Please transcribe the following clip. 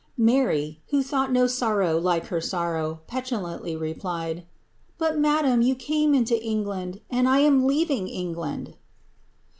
Mary, who thought no sorrow like her sorrow, petulantly replied, ''Bat, madam, you came into England, and I am leaving England.'"'